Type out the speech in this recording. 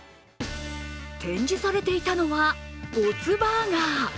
展示されていたのは没バーガー。